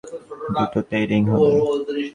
দুটোতেই রিং হবে।